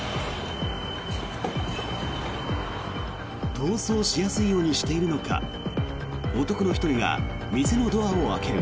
逃走しやすいようにしているのか男の１人が店のドアを開ける。